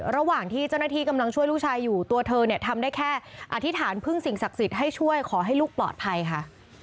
ระหว่างที่เจ้าหน้าที่กำลังช่วยลูกชายอยู่ตัวเธอเนี่ยทำได้แค่อธิษฐานพึ่งสิ่งศักดิ์สิทธิ์ให้ช่วยขอให้ลูกปลอดภัยค่ะ